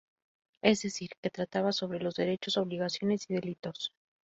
Es decir, que trataba sobre los derechos, obligaciones y delitos.